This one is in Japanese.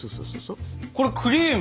これクリーム？